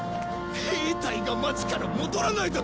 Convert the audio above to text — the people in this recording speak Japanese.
兵隊が街から戻らないだと！？